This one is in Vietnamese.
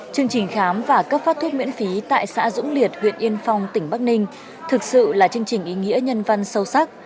chương trình khám và cấp phát thuốc miễn phí tại xã dũng liệt huyện yên phong tỉnh bắc ninh thực sự là chương trình ý nghĩa nhân văn sâu sắc